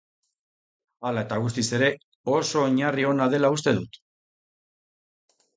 Hala eta guztiz ere, oso oinarri ona dela uste dut.